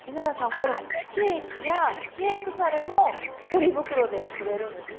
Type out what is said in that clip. このケーキやケークサレもポリ袋で作れるんですか？